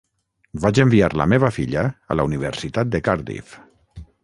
Vaig enviar la meva filla a la Universitat de Cardiff.